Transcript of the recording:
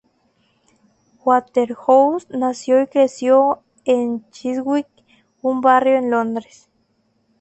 Waterhouse nació y creció en Chiswick, un barrio de Londres.